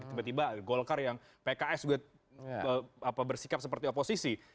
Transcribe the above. tiba tiba golkar yang pks juga bersikap seperti oposisi